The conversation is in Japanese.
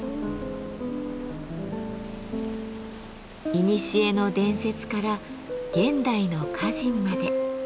いにしえの伝説から現代の歌人まで。